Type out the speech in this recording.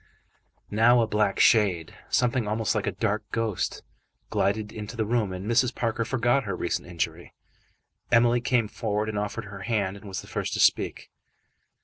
Now a black shade, something almost like a dark ghost, glided into the room, and Mrs. Parker forgot her recent injury. Emily came forward and offered her hand, and was the first to speak.